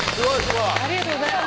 ありがとうございます。